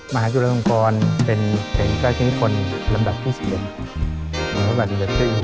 มหาจุลาลงกรเป็นเพลงการที่ทนลำดับที่สิบหนึ่ง